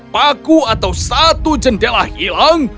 paku atau satu jendela hilang